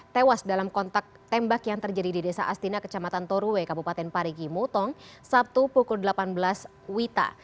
tewas dalam kontak tembak yang terjadi di desa astina kecamatan toruwe kabupaten parigi mutong sabtu pukul delapan belas wita